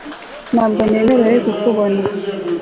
ntabwo nemerewe kukubona